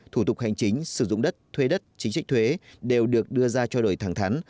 thủ tục hành chính sử dụng đất thuê đất chính sách thuế đều được đưa ra cho đổi thẳng thắn